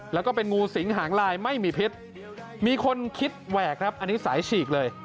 แล้วก็เป็นงูสิงหางลายไม่มีพิษมีคนคิดแหวกครับอันนี้สายฉีกเลย